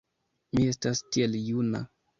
Mi estas tiel juna!